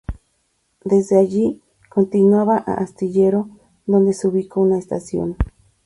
Desde allí continuaba a Astillero, donde se ubicó una estación.